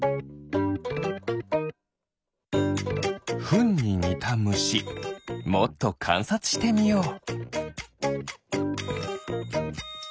フンににたむしもっとかんさつしてみよう。